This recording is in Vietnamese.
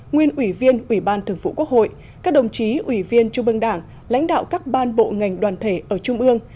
nguyên ủy viên ủy ban thường phủ quốc hội các đồng chí ủy viên trung ương đảng lãnh đạo các ban bộ ngành đoàn thể ở trung ương